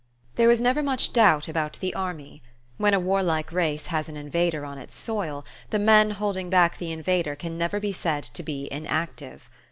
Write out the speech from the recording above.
There was never much doubt about the army. When a warlike race has an invader on its soil, the men holding back the invader can never be said to be inactive.